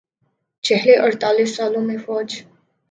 چھلے اڑتالیس سالوں میں فوج